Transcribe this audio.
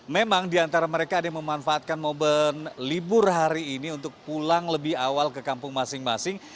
memang diantara mereka ada yang memanfaatkan momen libur hari ini untuk pulang lebih awal ke kampung masing masing